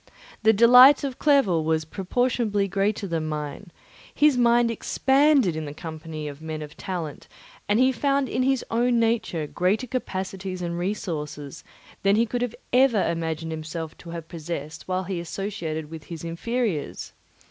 The delight of Clerval was proportionably greater than mine; his mind expanded in the company of men of talent, and he found in his own nature greater capacities and resources than he could have imagined himself to have possessed while he associated with his inferiors.